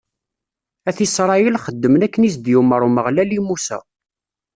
At Isṛayil xedmen akken i s-d-yumeṛ Umeɣlal i Musa.